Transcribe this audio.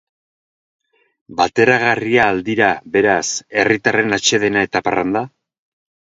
Bateragarria al dira, beraz, herritarren atsedena eta parranda?